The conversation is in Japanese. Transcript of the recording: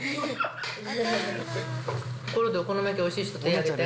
ところでお好み焼きおいしい人、手挙げて。